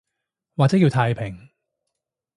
或者叫太平